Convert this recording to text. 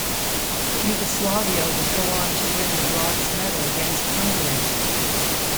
Yugoslavia would go on to win the bronze medal against Hungary.